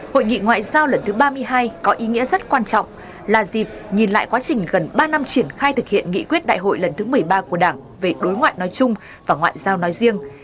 hội nghị ngoại giao lần thứ ba mươi hai có ý nghĩa rất quan trọng là dịp nhìn lại quá trình gần ba năm triển khai thực hiện nghị quyết đại hội lần thứ một mươi ba của đảng về đối ngoại nói chung và ngoại giao nói riêng